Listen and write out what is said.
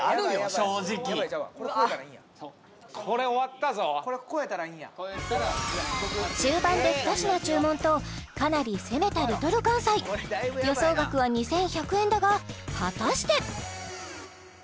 正直終盤で２品注文とかなり攻めたＬｉｌかんさい予想額は２１００円だが果たして？